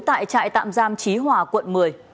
tại trại tạm giam chí hòa quận một mươi